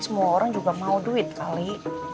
semua orang juga mau duit kali